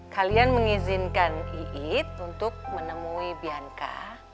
kalian mengizinkan iit untuk menemui bianka